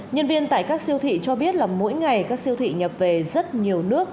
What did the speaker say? nhân viên tại các siêu thị cho biết là mỗi ngày các siêu thị nhập về rất nhiều nước